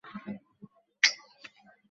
প্রশ্ন কোরো না।